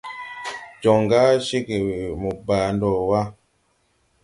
Jɔŋ ga cegè mo baa ndo wà.